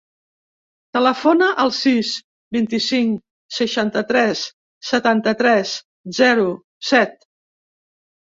Telefona al sis, vint-i-cinc, seixanta-tres, setanta-tres, zero, set.